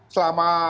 selama dua tahun